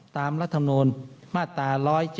ตามรัฐนูนมาตรา